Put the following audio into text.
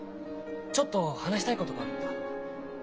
ちょっと話したいことがあるんだ。